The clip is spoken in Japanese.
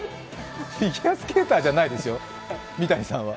フィギュアスケーターではないですよ、三谷さんは。